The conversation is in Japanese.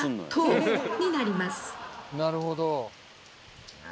なるほど。